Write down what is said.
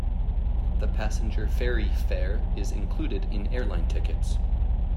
The passenger ferry fare is included in airline tickets.